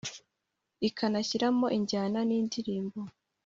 ikanashyiramo injyana nindirimbo